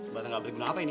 bisa gak butuh guna apa ini